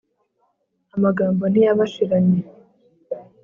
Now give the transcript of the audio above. amagambo ntiyabashiranye